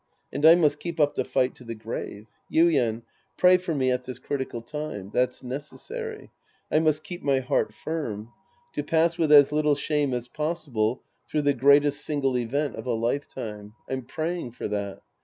And I must keep up the fight to the grave. Yuien, pray for me at this critical time. That's necessary. I must keep my heart firm. To pass with as little shame as pos sible through the greatest single event of a lifetime. I'm praying for that.